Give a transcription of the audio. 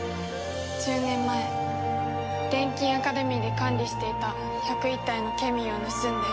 １０年前錬金アカデミーで管理していた１０１体のケミーを盗んで姿を消した。